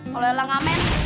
kalau lo alah ngamen